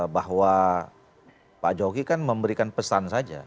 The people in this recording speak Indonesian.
bahwa pak jokowi kan memberikan pesan saja